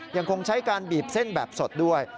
ยังคงใช้การบีบเส้นแบบสดด้วย